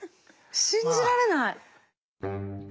信じられない。